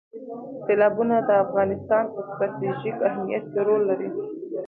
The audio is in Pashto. سیلابونه د افغانستان په ستراتیژیک اهمیت کې رول لري.